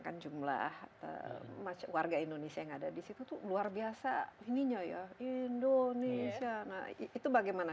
kan jumlah atau masyarakat indonesia yang ada di situ luar biasa ininya ya indonesia itu bagaimana